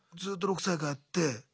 ずっと６歳からやって。